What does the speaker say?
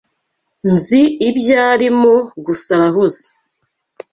Nzi ibyo arimo gusa arahuze.